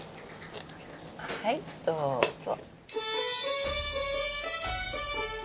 はいどうぞ。